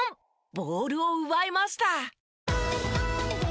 ボールを奪いました。